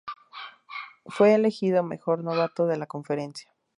Fue elegido mejor novato de la conferencia.